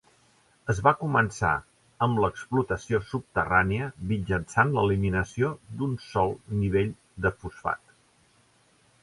Es va començar amb l'explotació subterrània mitjançant l'eliminació d'un sol nivell de fosfat.